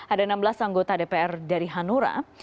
ada enam belas anggota dpr dari hanura